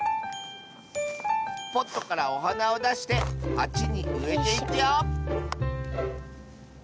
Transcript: ポットからおはなをだしてはちにうえていくよ